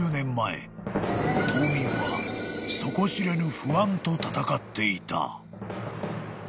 ［島民は底知れぬ不安と闘っていた］